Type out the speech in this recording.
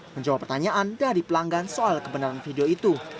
menjawab pertanyaan dari pelanggan soal kebenaran video itu